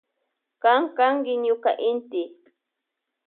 Kan kanki ñuka inti.